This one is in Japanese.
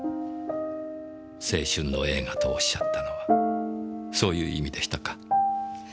青春の映画とおっしゃったのはそういう意味でしたか。